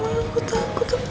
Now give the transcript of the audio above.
ya percaya sama ma